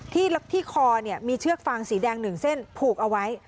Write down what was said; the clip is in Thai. ที่คอมีเชือกฟางสีแดง๑เส้นผูกเอาไว้